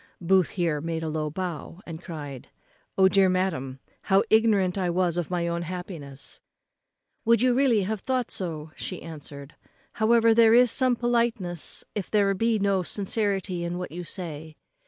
Booth here made a low bow, and cried, "O dear madam, how ignorant was I of my own happiness!" "Would you really have thought so?" answered she. "However, there is some politeness if there be no sincerity in what you say."